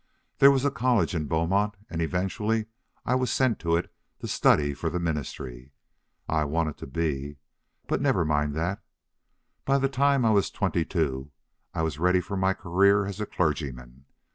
There was a college in Beaumont and eventually I was sent to it to study for the ministry. I wanted to be But never mind that.... By the time I was twenty two I was ready for my career as a clergyman.